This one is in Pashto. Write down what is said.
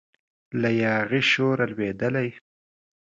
له یاغي شوره لویدلی